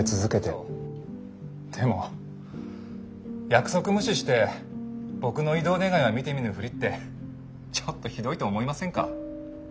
でも約束無視して僕の異動願は見て見ぬふりってちょっとひどいと思いませんか？